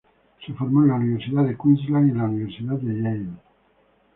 Se formó en la Universidad de Queensland y la Universidad Yale.